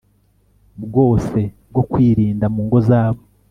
bwose bwo kwirinda mu ngo zabo